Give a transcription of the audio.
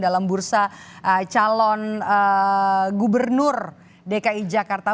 dalam bursa calon gubernur dki jakarta